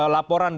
laporan dari bnkd